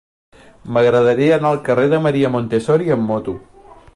M'agradaria anar al carrer de Maria Montessori amb moto.